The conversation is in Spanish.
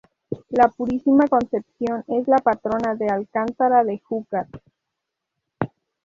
La Purísima Concepción es la patrona de Alcántara de Júcar.